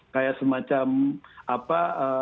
kayak semacam apa